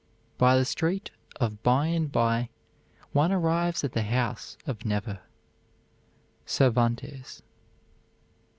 By the street of by and by one arrives at the house of never. CERVANTES.